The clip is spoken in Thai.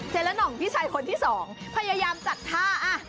เจรนนองพี่ชัยคนที่๒พยายามจัดท่า